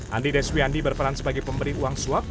andi deswiandi berperan sebagai pemberi uang suap